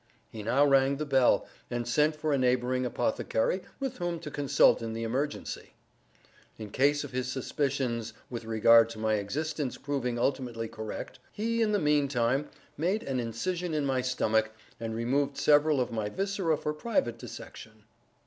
He now rang the bell, and sent for a neighboring apothecary with whom to consult in the emergency. In case of his suspicions with regard to my existence proving ultimately correct, he, in the meantime, made an incision in my stomach, and removed several of my viscera for private dissection.